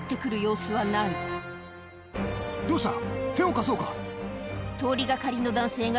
どうした？